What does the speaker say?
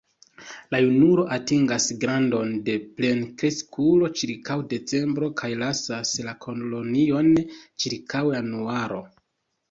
La junulo atingas grandon de plenkreskulo ĉirkaŭ decembro kaj lasas la kolonion ĉirkaŭ januaro.